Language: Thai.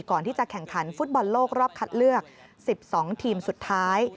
ก่อนที่จะแข่งขันฟุตบอลโลกรอบคัดเลือก๑๒ทีมสุดท้าย